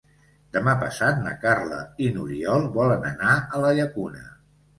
Demà passat na Carla i n'Oriol volen anar a la Llacuna.